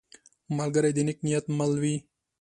ملګری د نیک نیت مل وي